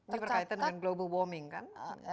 ini berkaitan dengan global warming kan